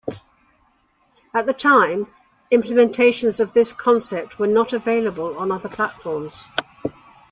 At the time, implementations of this concept were not available on other platforms.